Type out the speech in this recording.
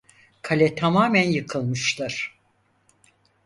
Kale tamamen yıkılmıştır.